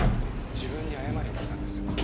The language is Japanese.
自分に謝りに来たんです。